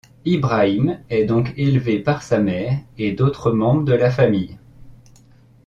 İbrahim est donc élevé par sa mère et d'autres membres de la famille.